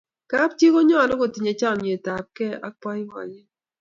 kab chii konyalu kotinye chamiet ab kee ak baibaiet